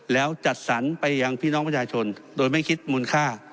แล้วจัดสรรไปยังพี่น้องประชาชนโดยไม่คิดมูลค่า